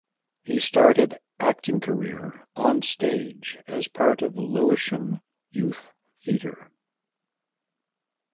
He started acting career on stage as part of Lewisham youth theatre.